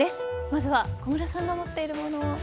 まずは小室さんが持っているものは。